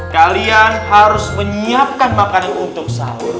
kalian harus menyiapkan makanan untuk sahur